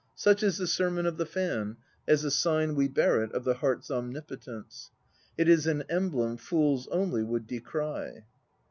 Such is the sermon of the fan, as a sign we bear it Of the heart's omnipotence. It is an emblem Fools only would decry!